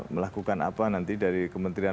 melakukan apa nanti dari kementerian